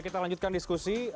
kita lanjutkan diskusi